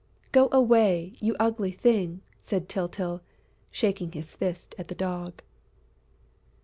"Go away, you ugly thing!" said Tyltyl, shaking his fist at the Dog.